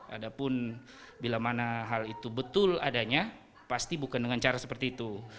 ada pun bila mana hal itu betul adanya pasti bukan dengan cara seperti itu